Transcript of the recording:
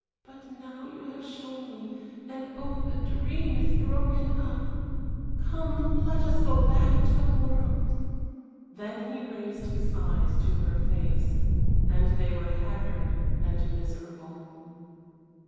But now you have shown me and oh, the dream is broken up. Come, let us go back to the world." Then he raised his eyes to her face, and they were haggard and miserable.